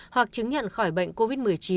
hoặc chứng nhận khỏi bệnh covid một mươi chín